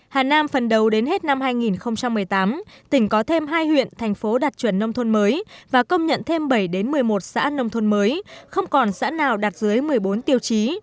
hà nam phần đầu đến hết năm hai nghìn một mươi tám tỉnh có thêm hai huyện thành phố đạt chuẩn nông thôn mới và công nhận thêm bảy đến một mươi một xã nông thôn mới không còn xã nào đạt dưới một mươi bốn tiêu chí